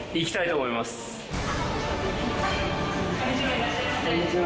こんにちは。